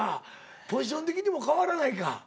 ポジション的にも変わらないか。